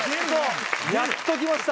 やっときました。